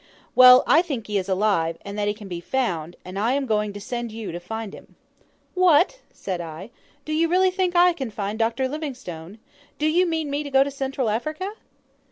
"Well, I think he is alive, and that he can be found, and I am going to send you to find him." "What!" said I, "do you really think I can find Dr Livingstone? Do you mean me to go to Central Africa?"